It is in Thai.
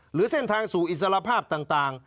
หรือเส้นทางสู่อิสระภาพต่าง